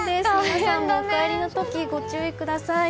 皆さんもお帰りの時ご注意ください。